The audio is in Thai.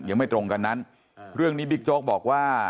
ยังไม่ตรงกันนั้นเรื่องนี้บิ๊กโจ๊กบอกว่า